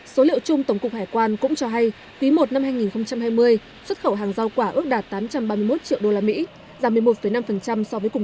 số liệu chung tổng cục hải quan cũng cho hay quý i năm hai nghìn hai mươi xuất khẩu hàng giao quả ước đạt tám trăm ba mươi một triệu usd giảm một mươi một năm so với cùng kỳ